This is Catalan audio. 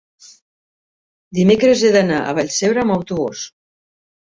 dimecres he d'anar a Vallcebre amb autobús.